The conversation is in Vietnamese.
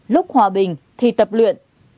lúc hòa bình thì tập luyện